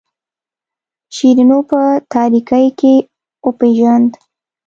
شیرینو په تاریکۍ کې وپیژاند.